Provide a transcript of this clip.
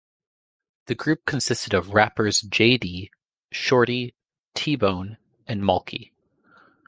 The group consisted of rappers J-Dee, Shorty, T-Bone and Maulkie.